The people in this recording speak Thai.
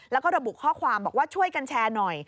แล้วก็ระบุข้อความบอกว่าช่วยกันแชร์หน่อย